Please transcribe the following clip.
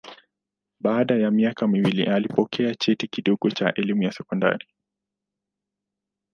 Baada ya miaka miwili alipokea cheti kidogo cha elimu ya sekondari.